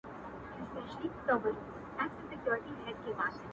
سترګي دي هغسي نسه وې ـ نسه یي ـ یې کړمه ـ